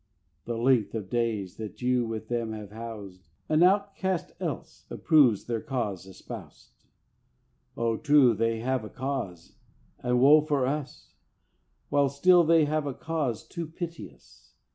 The length of days that you with them have housed, An outcast else, approves their cause espoused. O true, they have a cause, and woe for us, While still they have a cause too piteous!